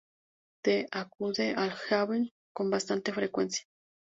T acude al Heaven con bastante frecuencia.